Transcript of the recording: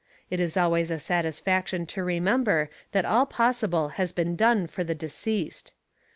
It is always a satisfaction to remember that all possible has been done for the deceased.